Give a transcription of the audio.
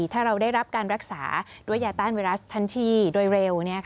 ถ้าเราได้รับการรักษาด้วยยาต้านไวรัสทันทีโดยเร็ว